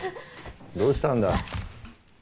どうしたんだ。